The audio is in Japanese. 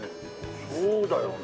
そうだよね。